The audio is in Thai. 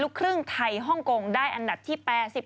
ครึ่งไทยฮ่องกงได้อันดับที่๘๔